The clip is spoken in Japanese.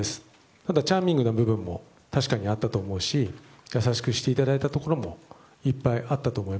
ただ、チャーミングな部分も確かにあったと思うし優しくしていただいたこともいっぱいありました。